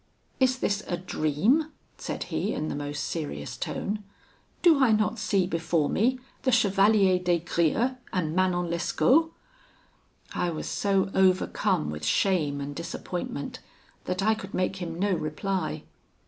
'Is this a dream?' said he, in the most serious tone 'do I not see before me the Chevalier des Grieux and Manon Lescaut?' I was so overcome with shame and disappointment, that I could make him no reply.